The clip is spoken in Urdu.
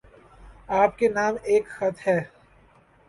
آپ کے نام ایک خط ہے